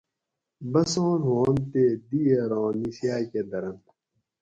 بسان ہُوانت تے دِگیراں نِسیاۤ کہ دۤرنت